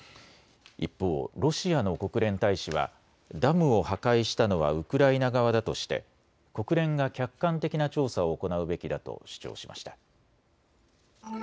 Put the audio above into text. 一方、ロシアの国連大使はダムを破壊したのはウクライナ側だとして国連が客観的な調査を行うべきだと主張しました。